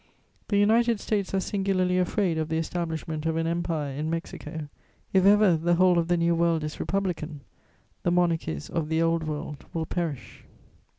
The United States are singularly afraid of the establishment of an empire in Mexico. If ever the whole of the New World is Republican, the monarchies of the Old World will perish."